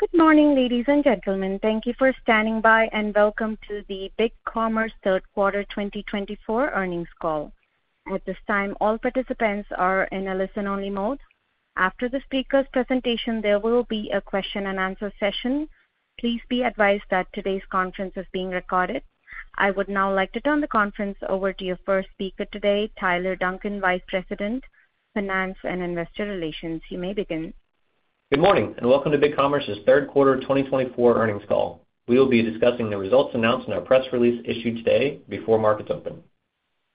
Good morning, ladies and gentlemen. Thank you for standing by, and welcome to the BigCommerce third quarter 2024 earnings call. At this time, all participants are in a listen-only mode. After the speaker's presentation, there will be a question-and-answer session. Please be advised that today's conference is being recorded. I would now like to turn the conference over to your first speaker today, Tyler Duncan, Vice President, Finance and Investor Relations. You may begin. Good morning, and welcome to BigCommerce's third quarter 2024 earnings call. We will be discussing the results announced in our press release issued today before markets open.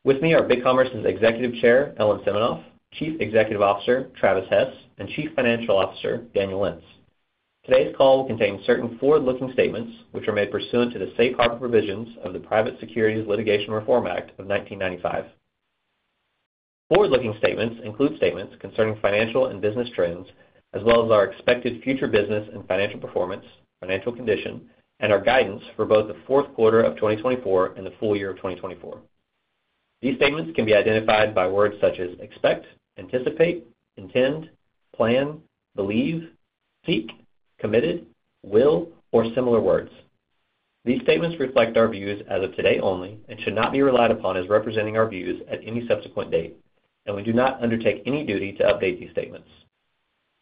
With me are BigCommerce's Executive Chair, Ellen Siminoff, Chief Executive Officer, Travis Hess, and Chief Financial Officer, Daniel Lentz. Today's call will contain certain forward-looking statements, which are made pursuant to the safe harbor provisions of the Private Securities Litigation Reform Act of 1995. Forward-looking statements include statements concerning financial and business trends, as well as our expected future business and financial performance, financial condition, and our guidance for both the fourth quarter of 2024 and the full year of 2024. These statements can be identified by words such as expect, anticipate, intend, plan, believe, seek, committed, will, or similar words. These statements reflect our views as of today only and should not be relied upon as representing our views at any subsequent date, and we do not undertake any duty to update these statements.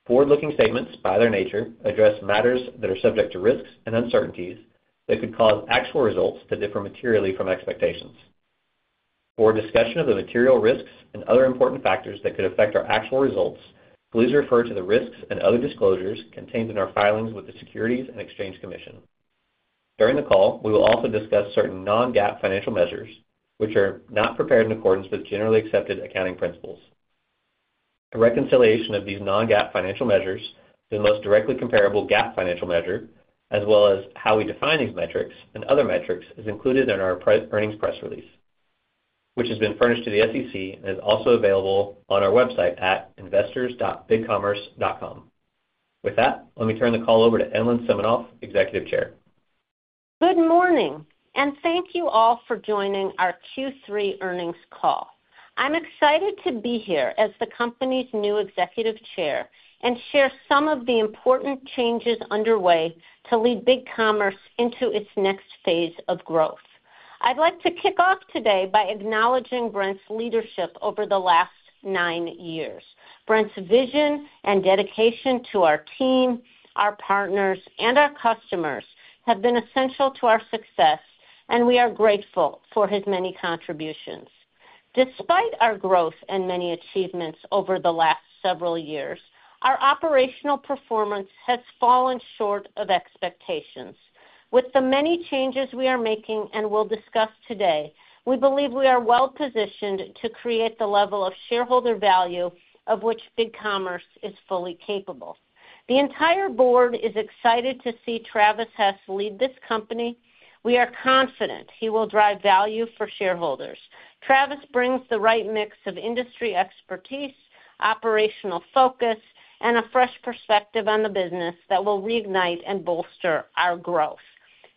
Forward-looking statements, by their nature, address matters that are subject to risks and uncertainties that could cause actual results to differ materially from expectations. For discussion of the material risks and other important factors that could affect our actual results, please refer to the risks and other disclosures contained in our filings with the Securities and Exchange Commission. During the call, we will also discuss certain non-GAAP financial measures, which are not prepared in accordance with Generally Accepted Accounting Principles. A reconciliation of these non-GAAP financial measures, the most directly comparable GAAP financial measure, as well as how we define these metrics and other metrics, is included in our earnings press release, which has been furnished to the SEC and is also available on our website at investors.bigcommerce.com. With that, let me turn the call over to Ellen Siminoff, Executive Chair. Good morning, and thank you all for joining our Q3 earnings call. I'm excited to be here as the company's new Executive Chair and share some of the important changes underway to lead BigCommerce into its next phase of growth. I'd like to kick off today by acknowledging Brent's leadership over the last nine years. Brent's vision and dedication to our team, our partners, and our customers have been essential to our success, and we are grateful for his many contributions. Despite our growth and many achievements over the last several years, our operational performance has fallen short of expectations. With the many changes we are making and will discuss today, we believe we are well-positioned to create the level of shareholder value of which BigCommerce is fully capable. The entire board is excited to see Travis Hess lead this company. We are confident he will drive value for shareholders. Travis brings the right mix of industry expertise, operational focus, and a fresh perspective on the business that will reignite and bolster our growth.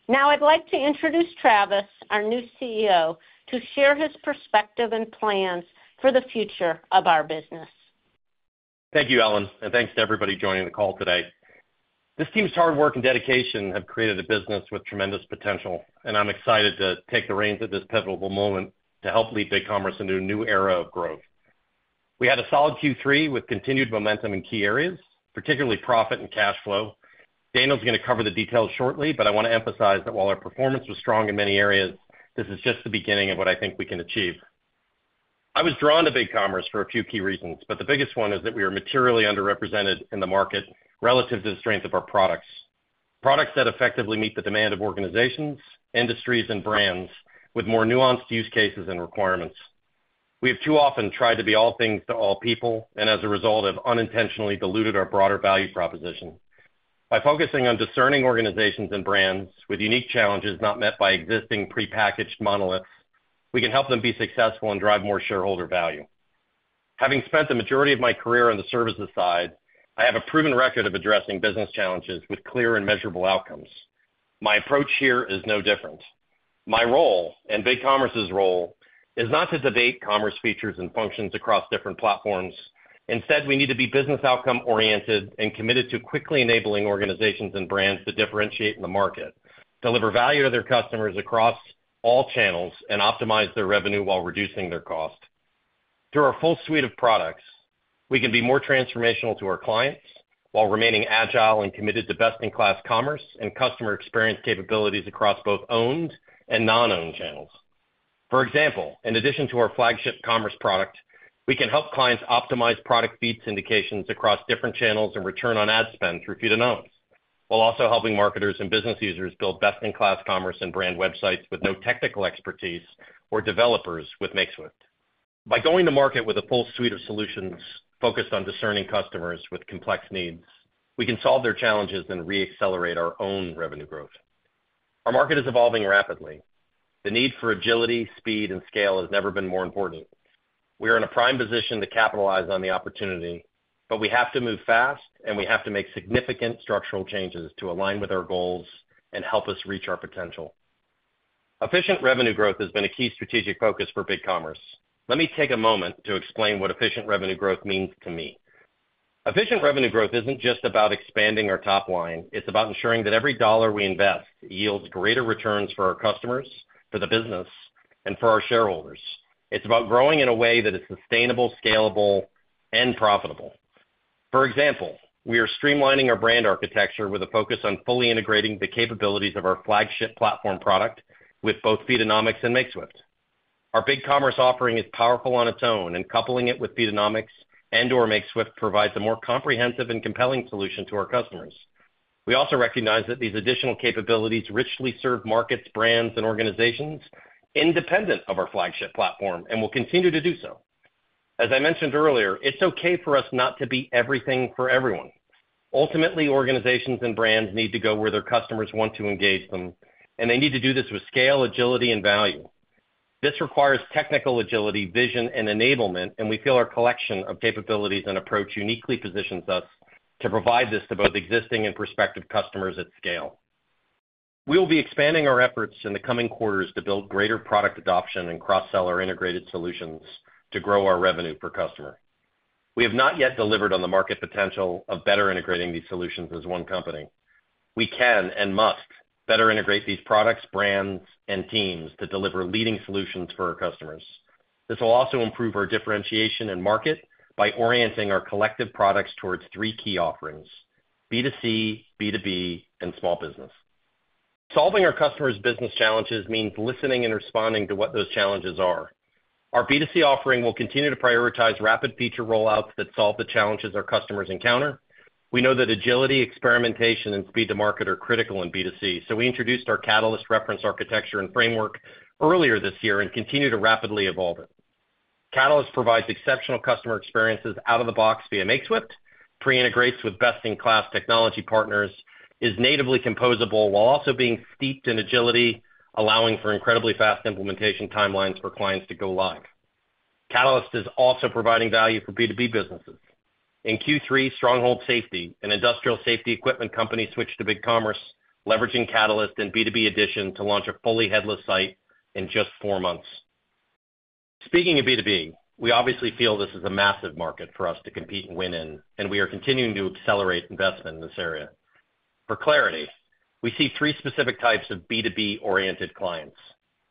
Now, I'd like to introduce Travis, our new CEO, to share his perspective and plans for the future of our business. Thank you, Ellen, and thanks to everybody joining the call today. This team's hard work and dedication have created a business with tremendous potential, and I'm excited to take the reins at this pivotal moment to help lead BigCommerce into a new era of growth. We had a solid Q3 with continued momentum in key areas, particularly profit and cash flow. Daniel's going to cover the details shortly, but I want to emphasize that while our performance was strong in many areas, this is just the beginning of what I think we can achieve. I was drawn to BigCommerce for a few key reasons, but the biggest one is that we are materially underrepresented in the market relative to the strength of our products, products that effectively meet the demand of organizations, industries, and brands with more nuanced use cases and requirements. We have too often tried to be all things to all people, and as a result, have unintentionally diluted our broader value proposition. By focusing on discerning organizations and brands with unique challenges not met by existing prepackaged monoliths, we can help them be successful and drive more shareholder value. Having spent the majority of my career on the services side, I have a proven record of addressing business challenges with clear and measurable outcomes. My approach here is no different. My role and BigCommerce's role is not to debate commerce features and functions across different platforms. Instead, we need to be business outcome-oriented and committed to quickly enabling organizations and brands to differentiate in the market, deliver value to their customers across all channels, and optimize their revenue while reducing their cost. Through our full suite of products, we can be more transformational to our clients while remaining agile and committed to best-in-class commerce and customer experience capabilities across both owned and non-owned channels. For example, in addition to our flagship commerce product, we can help clients optimize product feed syndications across different channels and return on ad spend through feed-and-owns, while also helping marketers and business users build best-in-class commerce and brand websites with no technical expertise or developers with Makeswift. By going to market with a full suite of solutions focused on discerning customers with complex needs, we can solve their challenges and re-accelerate our own revenue growth. Our market is evolving rapidly. The need for agility, speed, and scale has never been more important. We are in a prime position to capitalize on the opportunity, but we have to move fast, and we have to make significant structural changes to align with our goals and help us reach our potential. Efficient revenue growth has been a key strategic focus for BigCommerce. Let me take a moment to explain what efficient revenue growth means to me. Efficient revenue growth isn't just about expanding our top line. It's about ensuring that every dollar we invest yields greater returns for our customers, for the business, and for our shareholders. It's about growing in a way that is sustainable, scalable, and profitable. For example, we are streamlining our brand architecture with a focus on fully integrating the capabilities of our flagship platform product with both Feedonomics and Makeswift. Our BigCommerce offering is powerful on its own, and coupling it with Feedonomics and/or Makeswift provides a more comprehensive and compelling solution to our customers. We also recognize that these additional capabilities richly serve markets, brands, and organizations independent of our flagship platform and will continue to do so. As I mentioned earlier, it's okay for us not to be everything for everyone. Ultimately, organizations and brands need to go where their customers want to engage them, and they need to do this with scale, agility, and value. This requires technical agility, vision, and enablement, and we feel our collection of capabilities and approach uniquely positions us to provide this to both existing and prospective customers at scale. We will be expanding our efforts in the coming quarters to build greater product adoption and cross-seller integrated solutions to grow our revenue per customer. We have not yet delivered on the market potential of better integrating these solutions as one company. We can and must better integrate these products, brands, and teams to deliver leading solutions for our customers. This will also improve our differentiation and market by orienting our collective products towards three key offerings: B2C, B2B, and small business. Solving our customers' business challenges means listening and responding to what those challenges are. Our B2C offering will continue to prioritize rapid feature rollouts that solve the challenges our customers encounter. We know that agility, experimentation, and speed to market are critical in B2C, so we introduced our Catalyst reference architecture and framework earlier this year and continue to rapidly evolve it. Catalyst provides exceptional customer experiences out of the box via Makeswift, pre-integrates with best-in-class technology partners, is natively composable while also being steeped in agility, allowing for incredibly fast implementation timelines for clients to go live. Catalyst is also providing value for B2B businesses. In Q3, Stronghold Safety, an industrial safety equipment company, switched to BigCommerce, leveraging Catalyst and B2B Edition to launch a fully headless site in just four months. Speaking of B2B, we obviously feel this is a massive market for us to compete and win in, and we are continuing to accelerate investment in this area. For clarity, we see three specific types of B2B-oriented clients.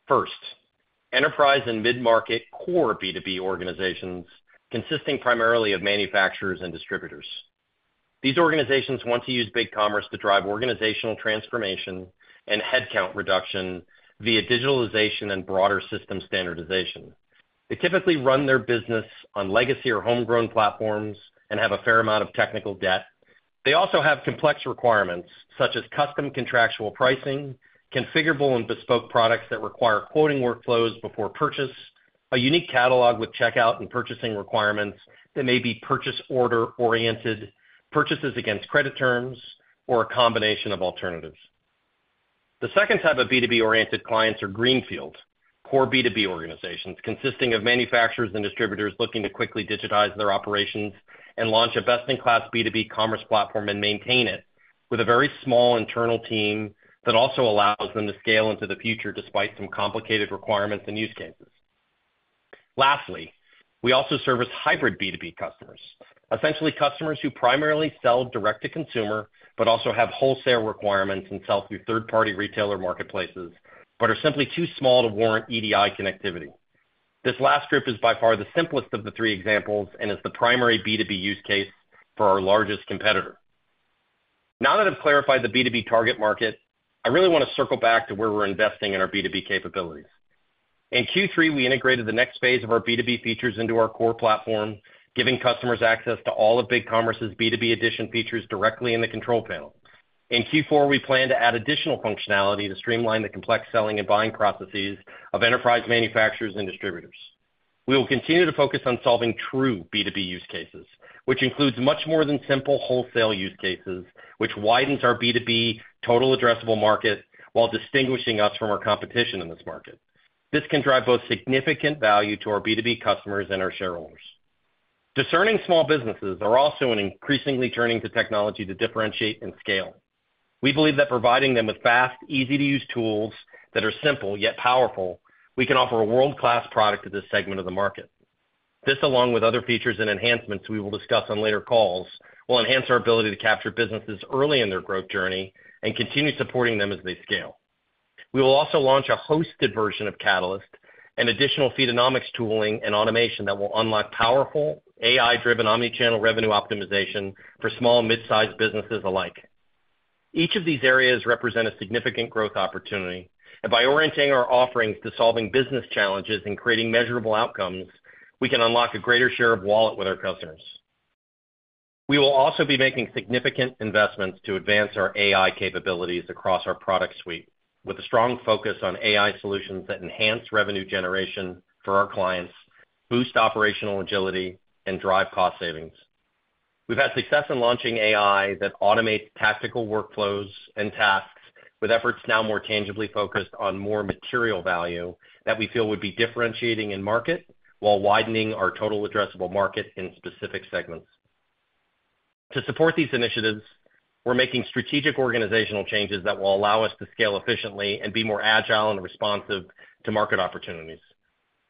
First, enterprise and mid-market core B2B organizations consisting primarily of manufacturers and distributors. These organizations want to use BigCommerce to drive organizational transformation and headcount reduction via digitalization and broader system standardization. They typically run their business on legacy or homegrown platforms and have a fair amount of technical debt. They also have complex requirements such as custom contractual pricing, configurable and bespoke products that require quoting workflows before purchase, a unique catalog with checkout and purchasing requirements that may be purchase order-oriented, purchases against credit terms, or a combination of alternatives. The second type of B2B-oriented clients are greenfield core B2B organizations consisting of manufacturers and distributors looking to quickly digitize their operations and launch a best-in-class B2B commerce platform and maintain it with a very small internal team that also allows them to scale into the future despite some complicated requirements and use cases. Lastly, we also service hybrid B2B customers, essentially customers who primarily sell direct-to-consumer but also have wholesale requirements and sell through third-party retailer marketplaces but are simply too small to warrant EDI connectivity. This last group is by far the simplest of the three examples and is the primary B2B use case for our largest competitor. Now that I've clarified the B2B target market, I really want to circle back to where we're investing in our B2B capabilities. In Q3, we integrated the next phase of our B2B features into our core platform, giving customers access to all of BigCommerce's B2B Edition features directly in the control panel. In Q4, we plan to add additional functionality to streamline the complex selling and buying processes of enterprise manufacturers and distributors. We will continue to focus on solving true B2B use cases, which includes much more than simple wholesale use cases, which widens our B2B total addressable market while distinguishing us from our competition in this market. This can drive both significant value to our B2B customers and our shareholders. Discerning small businesses are also increasingly turning to technology to differentiate and scale. We believe that providing them with fast, easy-to-use tools that are simple yet powerful. We can offer a world-class product to this segment of the market. This, along with other features and enhancements we will discuss on later calls, will enhance our ability to capture businesses early in their growth journey and continue supporting them as they scale. We will also launch a hosted version of Catalyst and additional Feedonomics tooling and automation that will unlock powerful AI-driven omnichannel revenue optimization for small and mid-sized businesses alike. Each of these areas represents a significant growth opportunity, and by orienting our offerings to solving business challenges and creating measurable outcomes, we can unlock a greater share of wallet with our customers. We will also be making significant investments to advance our AI capabilities across our product suite with a strong focus on AI solutions that enhance revenue generation for our clients, boost operational agility, and drive cost savings. We've had success in launching AI that automates tactical workflows and tasks with efforts now more tangibly focused on more material value that we feel would be differentiating in market while widening our total addressable market in specific segments. To support these initiatives, we're making strategic organizational changes that will allow us to scale efficiently and be more agile and responsive to market opportunities.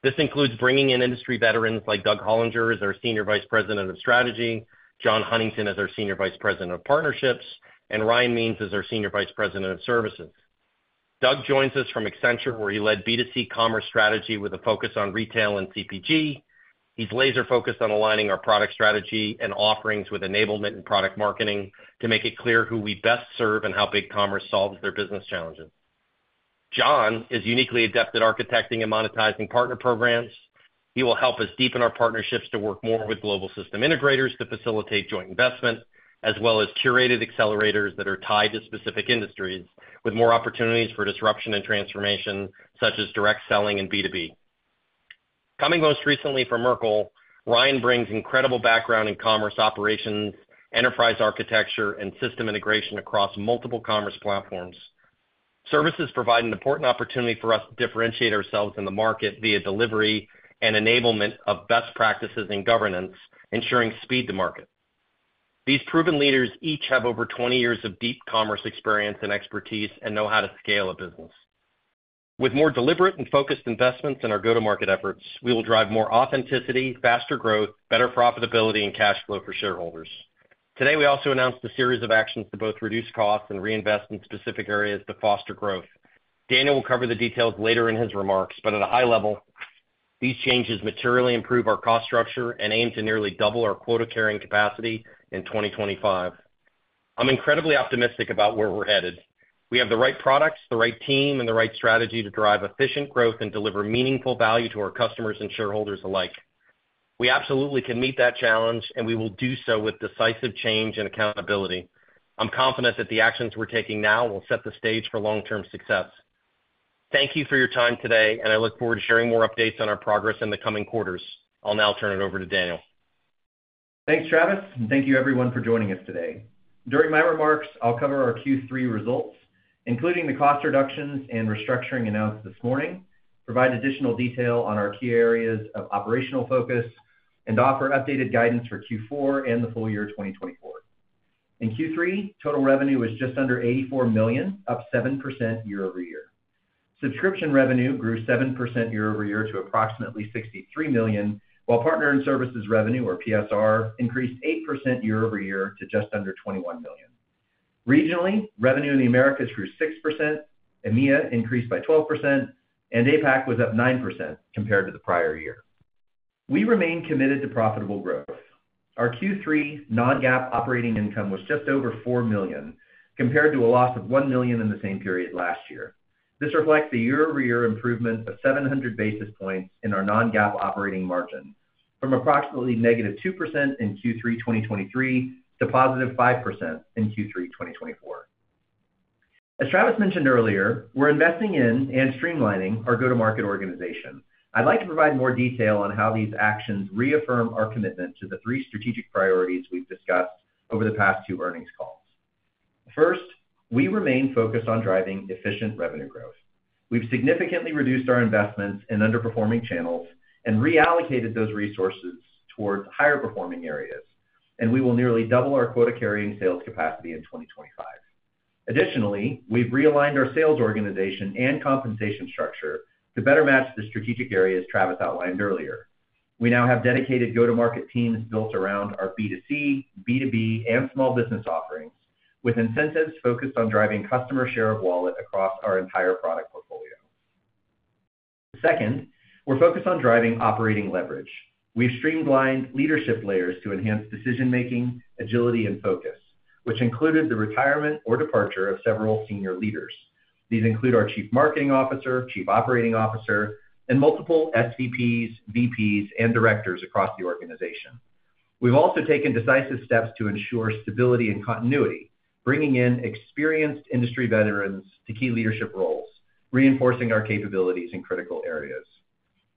This includes bringing in industry veterans like Doug Hollinger as our Senior Vice President of Strategy, John Huntington as our Senior Vice President of Partnerships, and Ryan Means as our Senior Vice President of Services. Doug joins us from Accenture, where he led B2C commerce strategy with a focus on retail and CPG. He's laser-focused on aligning our product strategy and offerings with enablement and product marketing to make it clear who we best serve and how BigCommerce solves their business challenges. John is uniquely adept at architecting and monetizing partner programs. He will help us deepen our partnerships to work more with global system integrators to facilitate joint investment, as well as curated accelerators that are tied to specific industries with more opportunities for disruption and transformation, such as direct selling and B2B. Coming most recently from Merkle, Ryan brings incredible background in commerce operations, enterprise architecture, and system integration across multiple commerce platforms. Services provide an important opportunity for us to differentiate ourselves in the market via delivery and enablement of best practices and governance, ensuring speed to market. These proven leaders each have over 20 years of deep commerce experience and expertise and know how to scale a business. With more deliberate and focused investments in our go-to-market efforts, we will drive more authenticity, faster growth, better profitability, and cash flow for shareholders. Today, we also announced a series of actions to both reduce costs and reinvest in specific areas to foster growth. Daniel will cover the details later in his remarks, but at a high level, these changes materially improve our cost structure and aim to nearly double our quota-carrying capacity in 2025. I'm incredibly optimistic about where we're headed. We have the right products, the right team, and the right strategy to drive efficient growth and deliver meaningful value to our customers and shareholders alike. We absolutely can meet that challenge, and we will do so with decisive change and accountability. I'm confident that the actions we're taking now will set the stage for long-term success. Thank you for your time today, and I look forward to sharing more updates on our progress in the coming quarters. I'll now turn it over to Daniel. Thanks, Travis, and thank you everyone for joining us today. During my remarks, I'll cover our Q3 results, including the cost reductions and restructuring announced this morning, provide additional detail on our key areas of operational focus, and offer updated guidance for Q4 and the full year 2024. In Q3, total revenue was just under $84 million, up 7% year-over-year. Subscription revenue grew 7% year-over-year to approximately $63 million, while partner and services revenue, or PSR, increased 8% year-over-year to just under $21 million. Regionally, revenue in the Americas grew 6%, EMEA increased by 12%, and APAC was up 9% compared to the prior year. We remain committed to profitable growth. Our Q3 non-GAAP operating income was just over $4 million compared to a loss of $1 million in the same period last year. This reflects a year-over-year improvement of 700 basis points in our non-GAAP operating margin from approximately -2% in Q3 2023 to +5% in Q3 2024. As Travis mentioned earlier, we're investing in and streamlining our go-to-market organization. I'd like to provide more detail on how these actions reaffirm our commitment to the three strategic priorities we've discussed over the past two earnings calls. First, we remain focused on driving efficient revenue growth. We've significantly reduced our investments in underperforming channels and reallocated those resources towards higher-performing areas, and we will nearly double our quota-carrying sales capacity in 2025. Additionally, we've realigned our sales organization and compensation structure to better match the strategic areas Travis outlined earlier. We now have dedicated go-to-market teams built around our B2C, B2B, and small business offerings with incentives focused on driving customer share of wallet across our entire product portfolio. Second, we're focused on driving operating leverage. We've streamlined leadership layers to enhance decision-making, agility, and focus, which included the retirement or departure of several senior leaders. These include our Chief Marketing Officer, Chief Operating Officer, and multiple SVPs, VPs, and Directors across the organization. We've also taken decisive steps to ensure stability and continuity, bringing in experienced industry veterans to key leadership roles, reinforcing our capabilities in critical areas.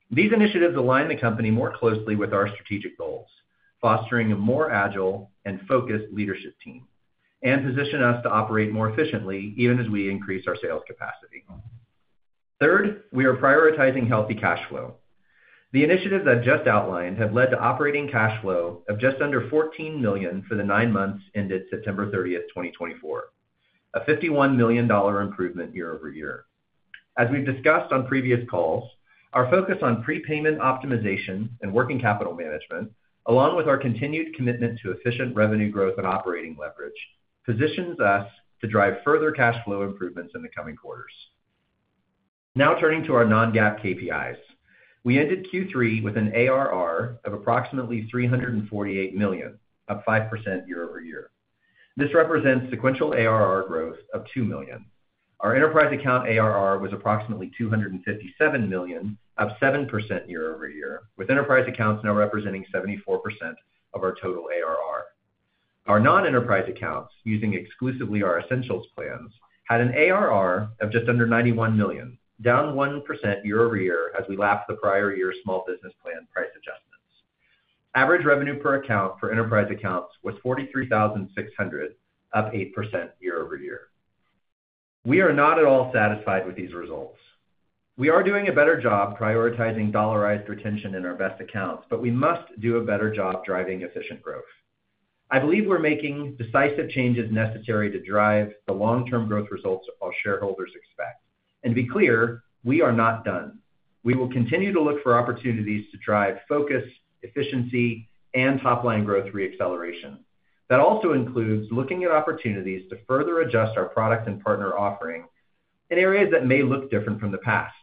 These initiatives align the company more closely with our strategic goals, fostering a more agile and focused leadership team, and position us to operate more efficiently even as we increase our sales capacity. Third, we are prioritizing healthy cash flow. The initiatives I just outlined have led to operating cash flow of just under $14 million for the nine months ended September 30, 2024, a $51 million improvement year-over-year. As we've discussed on previous calls, our focus on prepayment optimization and working capital management, along with our continued commitment to efficient revenue growth and operating leverage, positions us to drive further cash flow improvements in the coming quarters. Now turning to our non-GAAP KPIs, we ended Q3 with an ARR of approximately $348 million, up 5% year-over-year. This represents sequential ARR growth of $2 million. Our enterprise account ARR was approximately $257 million, up 7% year-over-year, with enterprise accounts now representing 74% of our total ARR. Our non-enterprise accounts, using exclusively our Essentials plans, had an ARR of just under $91 million, down 1% year-over-year as we lapped the prior year's small business plan price adjustments. Average revenue per account for enterprise accounts was $43,600, up 8% year-over-year. We are not at all satisfied with these results. We are doing a better job prioritizing dollarized retention in our best accounts, but we must do a better job driving efficient growth. I believe we're making decisive changes necessary to drive the long-term growth results our shareholders expect, and to be clear, we are not done. We will continue to look for opportunities to drive focus, efficiency, and top-line growth reacceleration. That also includes looking at opportunities to further adjust our product and partner offering in areas that may look different from the past,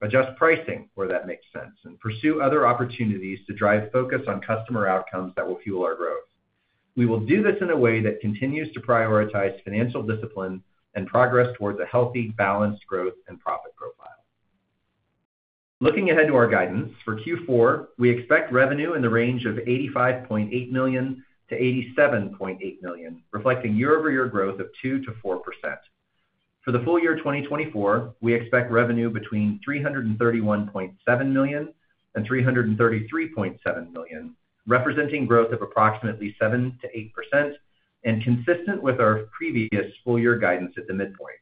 adjust pricing where that makes sense, and pursue other opportunities to drive focus on customer outcomes that will fuel our growth. We will do this in a way that continues to prioritize financial discipline and progress towards a healthy, balanced growth and profit profile. Looking ahead to our guidance for Q4, we expect revenue in the range of $85.8 million-$87.8 million, reflecting year-over-year growth of 2%-4%. For the full year 2024, we expect revenue between $331.7 million and $333.7 million, representing growth of approximately 7%-8% and consistent with our previous full-year guidance at the midpoint.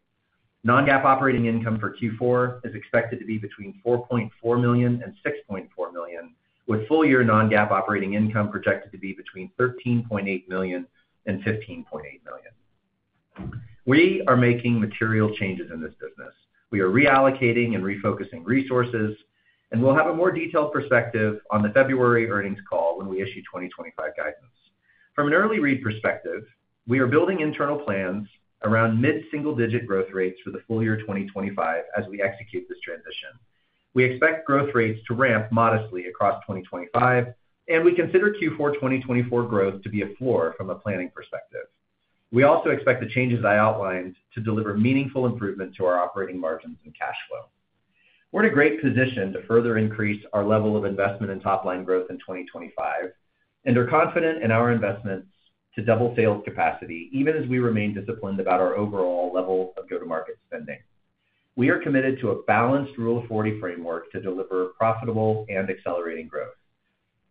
Non-GAAP operating income for Q4 is expected to be between $4.4 million and $6.4 million, with full-year non-GAAP operating income projected to be between $13.8 million and $15.8 million. We are making material changes in this business. We are reallocating and refocusing resources, and we'll have a more detailed perspective on the February earnings call when we issue 2025 guidance. From an early read perspective, we are building internal plans around mid-single-digit growth rates for the full year 2025 as we execute this transition. We expect growth rates to ramp modestly across 2025, and we consider Q4 2024 growth to be a floor from a planning perspective. We also expect the changes I outlined to deliver meaningful improvement to our operating margins and cash flow. We're in a great position to further increase our level of investment in top-line growth in 2025 and are confident in our investments to double sales capacity, even as we remain disciplined about our overall level of go-to-market spending. We are committed to a balanced Rule of 40 framework to deliver profitable and accelerating growth.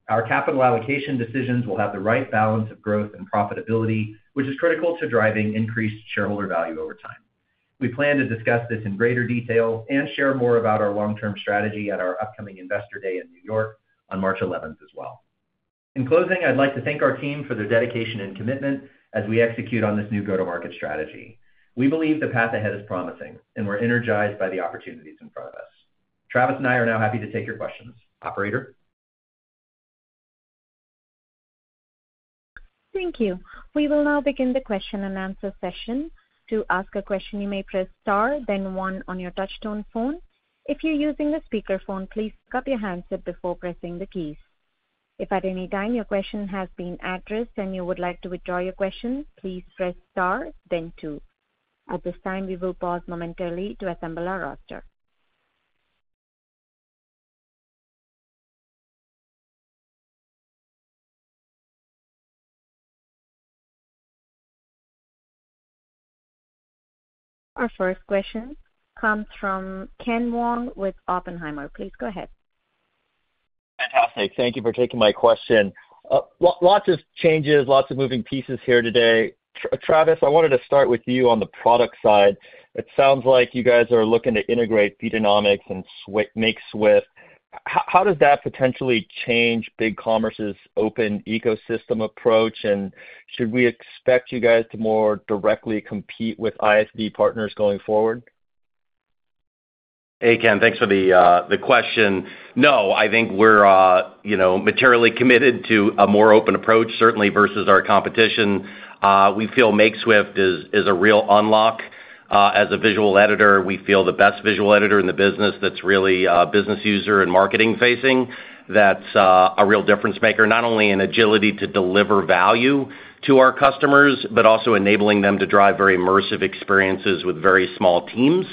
Our capital allocation decisions will have the right balance of growth and profitability, which is critical to driving increased shareholder value over time. We plan to discuss this in greater detail and share more about our long-term strategy at our upcoming investor day in New York on March 11 as well. In closing, I'd like to thank our team for their dedication and commitment as we execute on this new go-to-market strategy. We believe the path ahead is promising, and we're energized by the opportunities in front of us. Travis and I are now happy to take your questions. Operator: Thank you. We will now begin the question and answer session. To ask a question, you may press star, then one on your touch-tone phone. If you're using a speakerphone, please cup your hands before pressing the keys. If at any time your question has been addressed and you would like to withdraw your question, please press star, then two. At this time, we will pause momentarily to assemble our roster. Our first question comes from Ken Wong with Oppenheimer. Please go ahead. Fantastic. Thank you for taking my question. Lots of changes, lots of moving pieces here today. Travis, I wanted to start with you on the product side. It sounds like you guys are looking to integrate Feedonomics and Makeswift. How does that potentially change BigCommerce's open ecosystem approach, and should we expect you guys to more directly compete with ISV partners going forward? Hey, Ken, thanks for the question. No, I think we're materially committed to a more open approach, certainly versus our competition. We feel Makeswift is a real unlock. As a visual editor, we feel the best visual editor in the business that's really business user and marketing-facing. That's a real difference-maker, not only in agility to deliver value to our customers, but also enabling them to drive very immersive experiences with very small teams.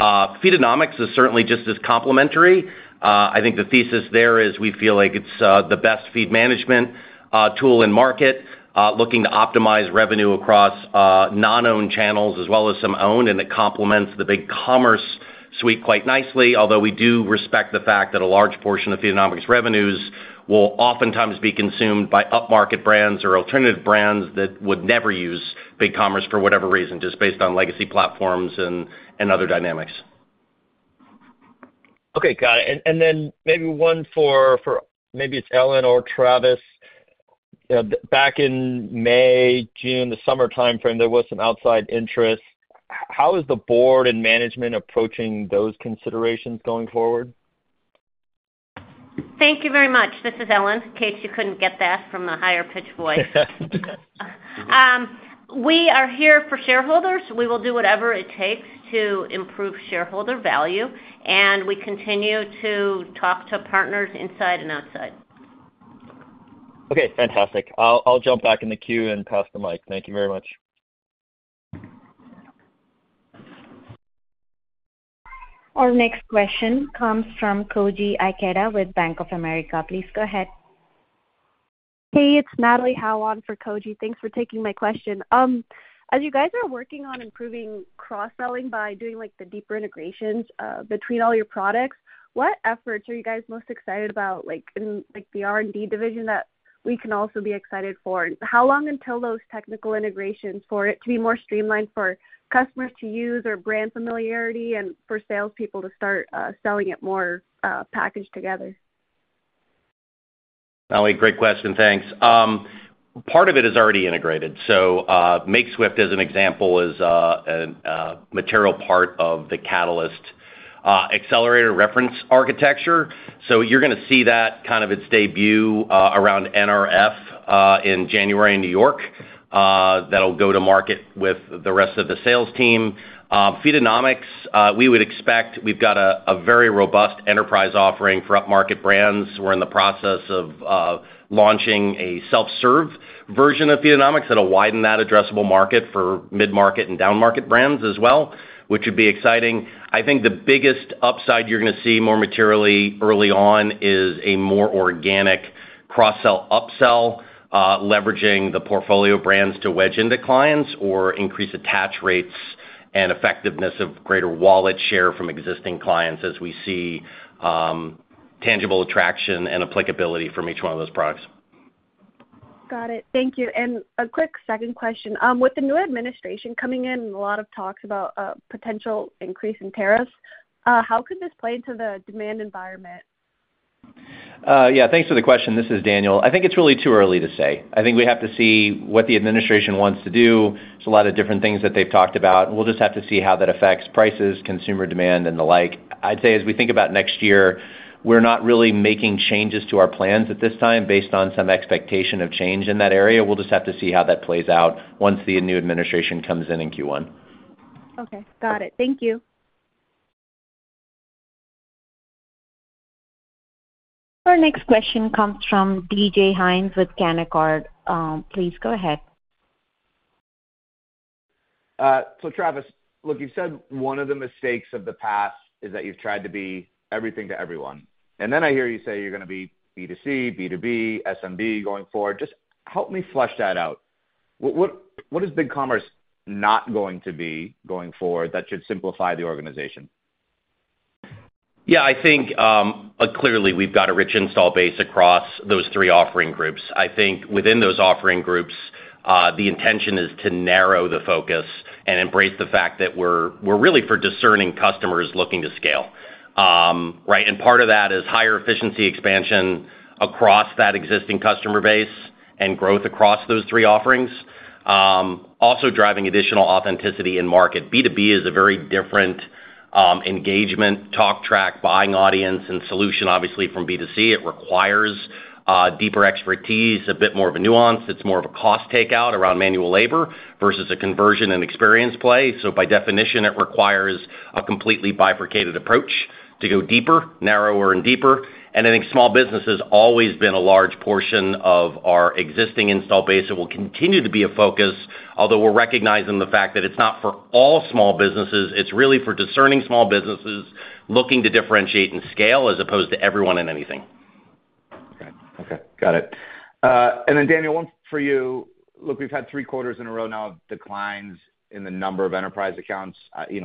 Feedonomics is certainly just as complementary. I think the thesis there is we feel like it's the best feed management tool in market, looking to optimize revenue across non-owned channels as well as some owned, and it complements the BigCommerce suite quite nicely, although we do respect the fact that a large portion of Feedonomics revenues will oftentimes be consumed by up-market brands or alternative brands that would never use BigCommerce for whatever reason, just based on legacy platforms and other dynamics. Okay, got it. And then maybe one for maybe it's Ellen or Travis. Back in May, June, the summer timeframe, there was some outside interest. How is the board and management approaching those considerations going forward? Thank you very much. This is Ellen. In case you couldn't get that from a higher-pitched voice. We are here for shareholders. We will do whatever it takes to improve shareholder value, and we continue to talk to partners inside and outside. Okay, fantastic. I'll jump back in the queue and pass the mic. Thank you very much. Our next question comes from Koji Ikeda with Bank of America. Please go ahead. Hey, it's Natalie Howe for Koji. Thanks for taking my question. As you guys are working on improving cross-selling by doing the deeper integrations between all your products, what efforts are you guys most excited about in the R&D division that we can also be excited for? And how long until those technical integrations for it to be more streamlined for customers to use or brand familiarity and for salespeople to start selling it more packaged together? Natalie, great question. Thanks. Part of it is already integrated. Makeswift, as an example, is a material part of the Catalyst accelerator reference architecture. You're going to see that kind of its debut around NRF in January in New York that'll go-to-market with the rest of the sales team. Feedonomics, we would expect we've got a very robust enterprise offering for up-market brands. We're in the process of launching a self-serve version of Feedonomics that'll widen that addressable market for mid-market and down-market brands as well, which would be exciting. I think the biggest upside you're going to see more materially early on is a more organic cross-sell upsell, leveraging the portfolio brands to wedge into clients or increase attach rates and effectiveness of greater wallet share from existing clients as we see tangible attraction and applicability from each one of those products. Got it. Thank you, and a quick second question. With the new administration coming in and a lot of talks about potential increase in tariffs, how could this play into the demand environment? Yeah, thanks for the question. This is Daniel. I think it's really too early to say. I think we have to see what the administration wants to do. There's a lot of different things that they've talked about. We'll just have to see how that affects prices, consumer demand, and the like. I'd say as we think about next year, we're not really making changes to our plans at this time based on some expectation of change in that area. We'll just have to see how that plays out once the new administration comes in in Q1. Okay, got it. Thank you. Our next question comes from DJ Hynes with Canaccord. Please go ahead. Travis, look. You've said one of the mistakes of the past is that you've tried to be everything to everyone. And then I hear you say you're going to be B2C, B2B, SMB going forward. Just help me flesh that out. What is BigCommerce not going to be going forward that should simplify the organization? Yeah, I think clearly we've got a rich installed base across those three offering groups. I think within those offering groups, the intention is to narrow the focus and embrace the fact that we're really for discerning customers looking to scale. Right? And part of that is higher efficiency expansion across that existing customer base and growth across those three offerings. Also driving additional authenticity in market. B2B is a very different engagement, talk track, buying audience and solution, obviously, from B2C. It requires deeper expertise, a bit more of a nuance. It's more of a cost takeout around manual labor versus a conversion and experience play. So by definition, it requires a completely bifurcated approach to go deeper, narrower, and deeper. And I think small business has always been a large portion of our existing install base that will continue to be a focus, although we're recognizing the fact that it's not for all small businesses. It's really for discerning small businesses looking to differentiate and scale as opposed to everyone and anything. Okay, got it. And then, Daniel, one for you. Look, we've had three quarters in a row now of declines in the number of enterprise accounts,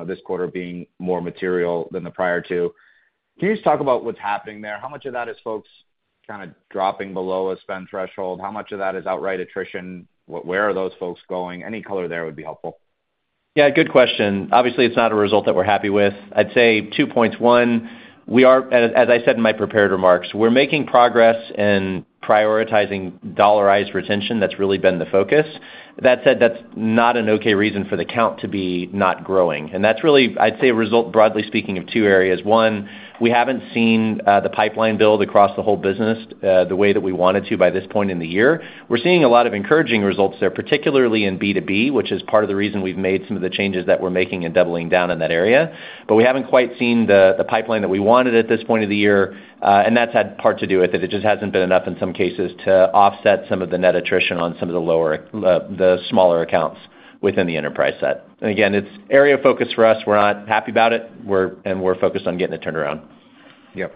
this quarter being more material than the prior two. Can you just talk about what's happening there? How much of that is folks kind of dropping below a spend threshold? How much of that is outright attrition? Where are those folks going? Any color there would be helpful. Yeah, good question. Obviously, it's not a result that we're happy with. I'd say two points. One, we are, as I said in my prepared remarks, we're making progress in prioritizing dollarized retention. That's really been the focus. That said, that's not an okay reason for the count to be not growing, and that's really, I'd say, a result, broadly speaking, of two areas. One, we haven't seen the pipeline build across the whole business the way that we wanted to by this point in the year. We're seeing a lot of encouraging results there, particularly in B2B, which is part of the reason we've made some of the changes that we're making and doubling down in that area, but we haven't quite seen the pipeline that we wanted at this point of the year, and that's had part to do with it. It just hasn't been enough in some cases to offset some of the net attrition on some of the smaller accounts within the enterprise set. And again, it's area focus for us. We're not happy about it, and we're focused on getting it turned around. Yep.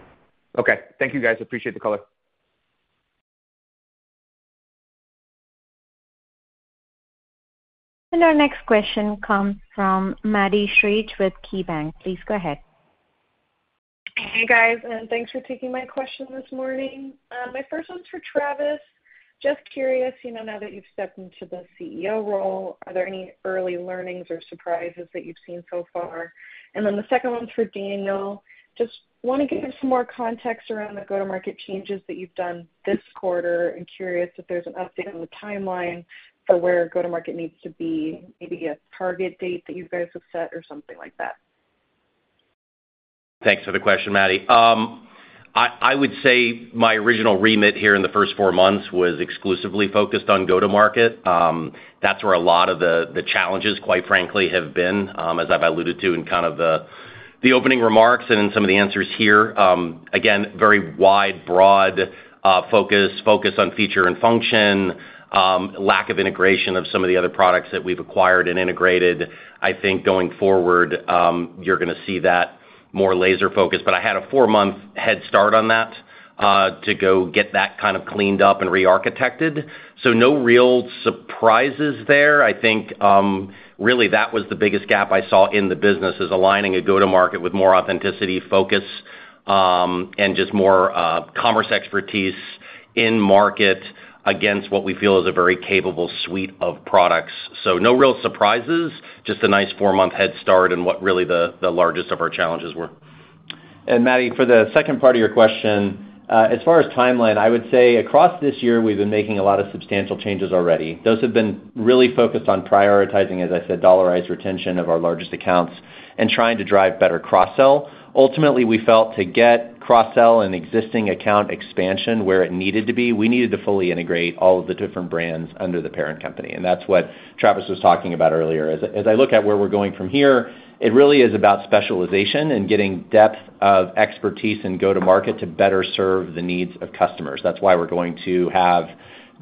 Okay. Thank you, guys. Appreciate the color. And our next question comes from Maddie Schrage with KeyBanc Capital Markets. Please go ahead. Hey, guys. And thanks for taking my question this morning. My first one's for Travis. Just curious, now that you've stepped into the CEO role, are there any early learnings or surprises that you've seen so far? And then the second one's for Daniel. Just want to give some more context around the go-to-market changes that you've done this quarter and curious if there's an update on the timeline for where go-to-market needs to be, maybe a target date that you guys have set or something like that. Thanks for the question, Maddie. I would say my original remit here in the first four months was exclusively focused on go-to-market. That's where a lot of the challenges, quite frankly, have been, as I've alluded to in kind of the opening remarks and in some of the answers here. Again, very wide, broad focus on feature and function, lack of integration of some of the other products that we've acquired and integrated. I think going forward, you're going to see that more laser-focused. But I had a four-month head start on that to go get that kind of cleaned up and re-architected. So no real surprises there. I think really that was the biggest gap I saw in the business is aligning a go-to-market with more authenticity focus and just more commerce expertise in market against what we feel is a very capable suite of products. So no real surprises, just a nice four-month head start in what really the largest of our challenges were. And Maddie, for the second part of your question, as far as timeline, I would say across this year, we've been making a lot of substantial changes already. Those have been really focused on prioritizing, as I said, dollarized retention of our largest accounts and trying to drive better cross-sell. Ultimately, we felt to get cross-sell and existing account expansion where it needed to be, we needed to fully integrate all of the different brands under the parent company. And that's what Travis was talking about earlier. As I look at where we're going from here, it really is about specialization and getting depth of expertise and go-to-market to better serve the needs of customers. That's why we're going to have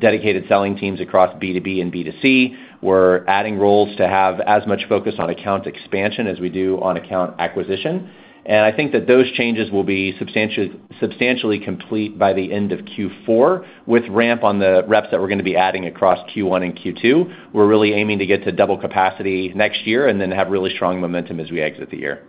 dedicated selling teams across B2B and B2C. We're adding roles to have as much focus on account expansion as we do on account acquisition. And I think that those changes will be substantially complete by the end of Q4 with ramp on the reps that we're going to be adding across Q1 and Q2. We're really aiming to get to double capacity next year and then have really strong momentum as we exit the year.